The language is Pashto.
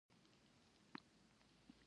ډیزاین باید د لیدونکو ذهن کې پاتې شي.